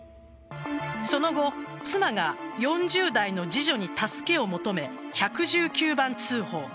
その後妻が４０代の次女に助けを求め１１９番通報。